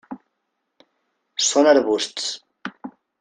Són arbusts.